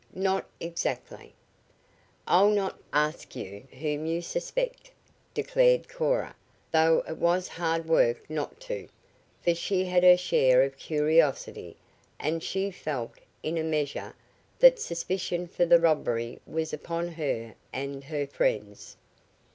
"Not exactly." "I'll not ask you whom you suspect," declared Cora, though it was hard work not to, for she had her share of curiosity, and she felt, in a measure, that suspicion for the robbery was upon her and her friends.